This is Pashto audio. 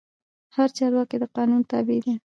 هر چارواکی د قانون تابع دی